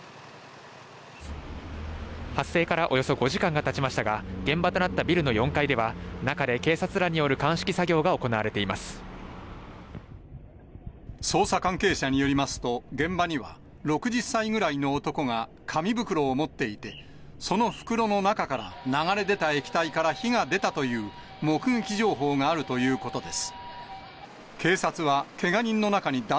発生からおよそ５時間がたちましたが、現場となったビルの４階では、中で警察らによる鑑識作捜査関係者によりますと、現場には、６０歳くらいの男が、紙袋を持っていて、その袋の中から流れ出た液体から火が出たという目撃情報があるということです。